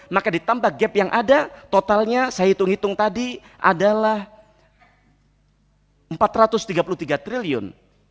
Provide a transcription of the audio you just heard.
maka ditambah gap yang ada totalnya saya hitung hitung tadi adalah rp empat ratus tiga puluh tiga triliun